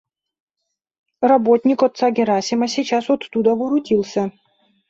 Работник отца Герасима сейчас оттуда воротился.